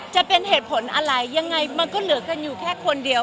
จะเป็นเหตุผลอะไรยังไงมันก็เหลือกันอยู่แค่คนเดียว